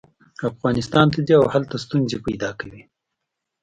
افغانستان ته ځي او هلته ستونزې پیدا کوي.